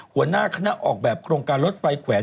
หัวหน้าคณะออกแบบโครงการรถไฟแขวน